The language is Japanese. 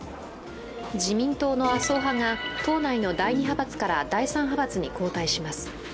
自民党の麻生派が党内の第２派閥から第３派閥に後退します。